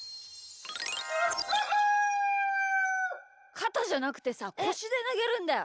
かたじゃなくてさこしでなげるんだよ。